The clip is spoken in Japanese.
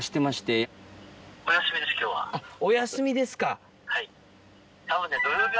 お休みですか！